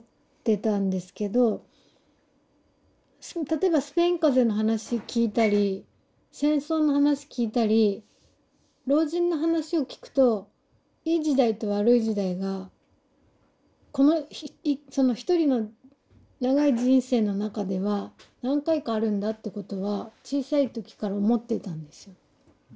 例えばスペイン風邪の話聞いたり戦争の話聞いたり老人の話を聞くといい時代と悪い時代がその一人の長い人生の中では何回かあるんだってことは小さい時から思っていたんです。